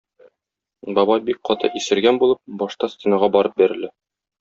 Бабай, бик каты исергән булып, башта стенага барып бәрелә.